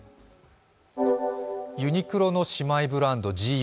ユニクロの姉妹ブランド、ＧＵ。